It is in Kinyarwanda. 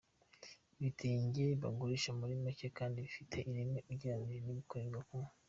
ibitenge bagurisha kuri macye kandi bifite ireme ugererenije n’ibikorerwa ku